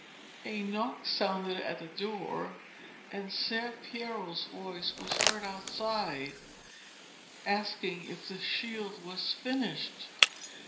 A knock sounded at the door, and Ser Piero's voice was heard outside asking if the shield was finished.